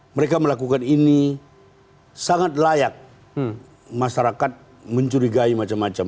mereka melakukan ini sangat layak masyarakat mencurigai macam macam